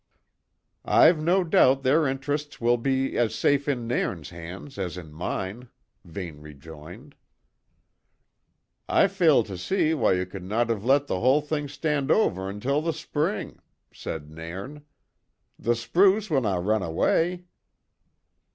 "I've no doubt their interests will be as safe in Nairn's hands as in mine," Vane rejoined. "I fail to see why ye could no have let the whole thing stand over until the spring," said Nairn. "The spruce winna run away."